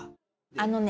あのね